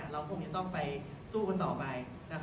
เราคงจะต้องไปสู้กันต่อไป